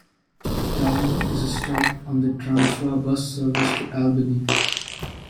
The town is a stop on the Transwa bus service to Albany.